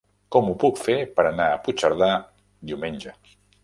Com ho puc fer per anar a Puigcerdà diumenge?